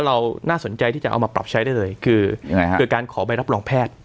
เราน่าสนใจที่จะเอามาปรับใช้ได้เลยคือยังไงฮะคือการขอใบรับรองแพทย์